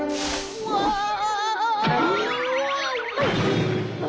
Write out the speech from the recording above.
うわあ！